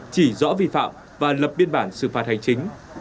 chỉ rõ vi phạm và lập biên bản xử phạt hành chính